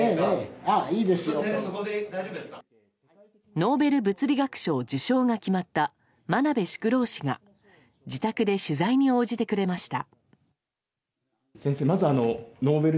ノーベル物理学賞受賞が決まった真鍋淑郎氏が自宅で取材に応じてくれました。